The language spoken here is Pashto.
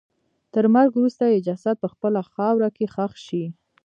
تر مرګ وروسته یې جسد په خپله خاوره کې ښخ شي.